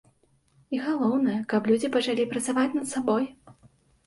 І галоўнае, каб людзі пачалі працаваць над сабой.